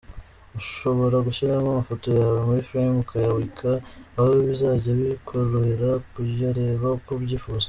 Ushobora gushyiramo amafoto yawe muri “Frame” ukayabika aho bizajya bikorohera kuyareba uko ubyifuza.